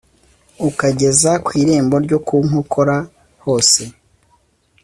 Ukageza ku irembo ryo ku nkokora hose